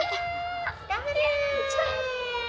頑張れ。